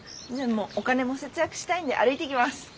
じゃあもうお金も節約したいんで歩いていきます。